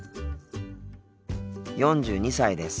４２歳です。